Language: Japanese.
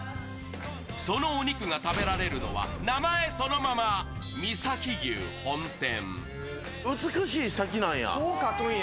そのお肉が食べられるのは名前そのまま、美崎牛本店。